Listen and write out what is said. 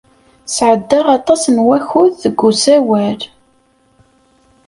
Sɛeddayeɣ aṭas n wakud deg usawal.